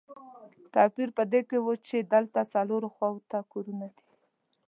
توپیر په کې دا و چې دلته څلورو خواوو ته کورونه دي.